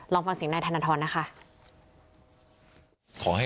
ลองฟังสิ่งในธนทรนะคะ